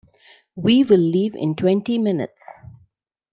We will leave in twenty minutes.